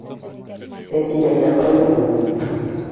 Ә тирәктәр ҡайҙа һуң?